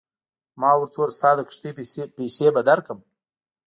ما ورته وویل ستا د کښتۍ پیسې به درکړم.